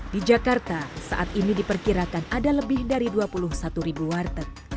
di jakarta saat ini diperkirakan ada lebih dari dua puluh satu ribu warteg